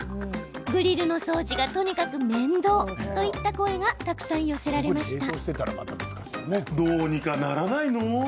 グリルの掃除が、とにかく面倒といった声がたくさん寄せられました。